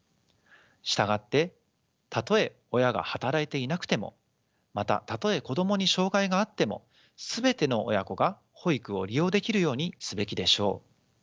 従ってたとえ親が働いていなくてもまたたとえ子どもに障害があっても全ての親子が保育を利用できるようにすべきでしょう。